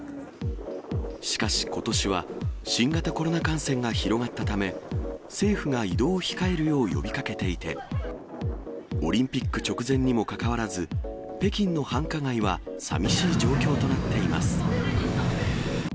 しかし、ことしは新型コロナ感染が広がったため、政府が移動を控えるよう呼びかけていて、オリンピック直前にもかかわらず、北京の繁華街はさみしい状況となっています。